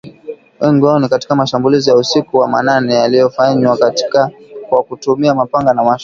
Wengi wao ni katika mashambulizi ya usiku wa manane yaliyofanywa kwa kutumia mapanga na mashoka